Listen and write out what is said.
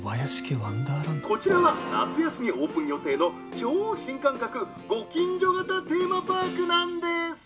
こちらは夏休みオープン予定の超新感覚ご近所型テーマパークなんです。